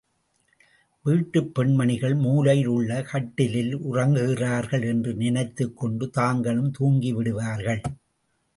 வீட்டுப் பெண்மணிகள் மூலையில் உள்ள கட்டிலில் உறங்குகிறாள் என்று நினைத்துக் கொண்டு தாங்களும் தூங்கி விடுவார்கள்.